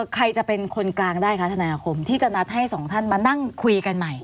ใครจะเป็นคนกลางได้คะธนายอาคมที่จะนัดให้สองท่านมานั่งคุยกันใหม่